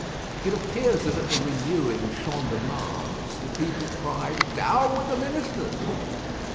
It appears that at the review in the Champ de Mars, the people cried, 'Down with the ministers!'